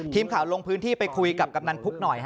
ทีมข่าวลงพื้นที่ไปคุยกับกำนันพุกหน่อย